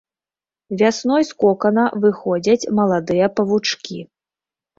Вясной з кокана выходзяць маладыя павучкі.